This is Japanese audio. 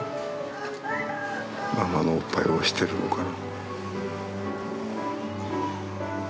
ママのおっぱい押してるのかな。